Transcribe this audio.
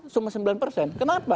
cuma sembilan persen kenapa